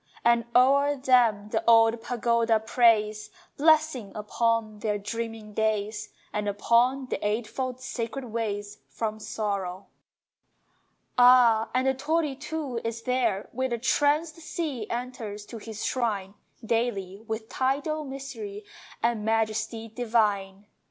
And o'er them the old pagoda prays Blessing upon their dreaming days, And upon the eightfold sacred ways From Sorrow! Ah, and the torii too is there Where the tranced sea enters to his shrine Daily, with tidal mystery And majesty divine.